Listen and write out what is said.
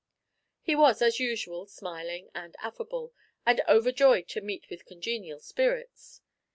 He was, as usual, smiling and affable, and 'overjoyed to meet with congenial spirits.'